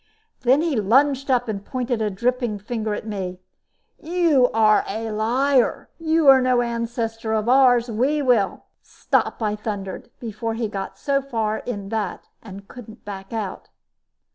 Then he lunged up and pointed a dripping finger at me. "You are a liar! You are no ancestor of ours! We will " "Stop!" I thundered before he got so far in that he couldn't back out.